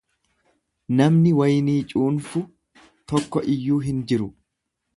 Namni waynii cuunfu tokko iyyuu hin jiru.